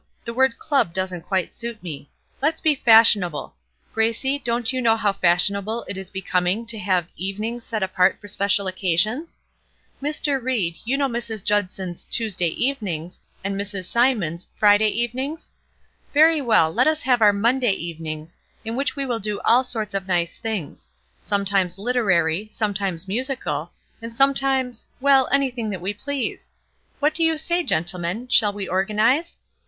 The word 'club' doesn't quite suit me. Let us be fashionable. Gracie, don't you know how fashionable it is becoming to have 'evenings' set apart for special occasions? Mr. Ried, you know Mrs. Judson's 'Tuesday evenings,' and Mrs. Symond's 'Friday evenings?' Very well, let us have our 'Monday evenings,' in which we will do all sorts of nice things; sometimes literary, sometimes musical, and sometimes well, anything that we please. What do you say, gentlemen; shall we organize?